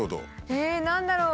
ええ何だろう？